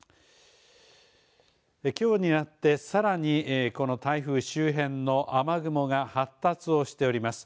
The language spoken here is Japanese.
きょうになってさらにこの台風周辺の雨雲が発達をしております。